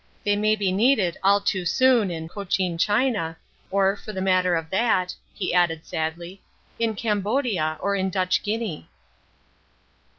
They may be needed all too soon in Cochin China, or, for the matter of that," he added sadly, "in Cambodia or in Dutch Guinea."